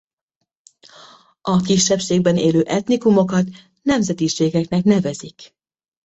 A kisebbségben élő etnikumokat nemzetiségeknek nevezik.